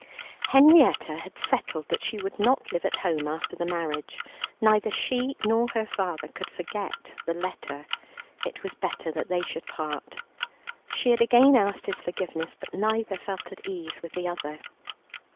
Henrietta had settled that she would not live at home after the marriage. Neither she nor her father could forget the letter, it was better that they should part. She had again asked his forgiveness, but neither felt at ease with the other.